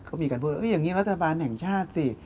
ก็มีการพูดอย่างนี้รัฐบาลแห่งชาติสิ